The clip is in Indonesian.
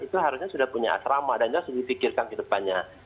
itu harusnya sudah punya asrama dan itu harus dipikirkan ke depannya